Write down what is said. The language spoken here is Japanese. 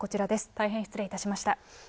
大変失礼いたしました。